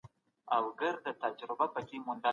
حقایق باید د تعصب پرته بیان سي.